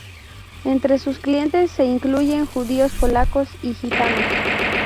Entre sus clientes se incluyen Judíos, polacos y gitanos.